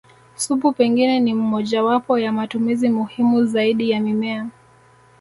Supu pengine ni mmojawapo ya matumizi muhimu zaidi ya mimea